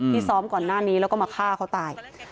ซ้อมก่อนหน้านี้แล้วก็มาฆ่าเขาตาย